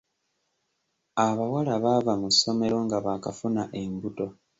Abawala baava mu ssomero nga baakafuna embuto.